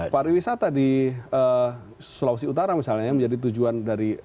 pariwisata di sulawesi utara misalnya yang menjadi tujuan dari